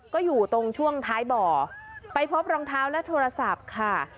ก็อยู่ตรงช่วงท้ายบ่อไปพบรองเท้าและโทรศัพท์ค่ะ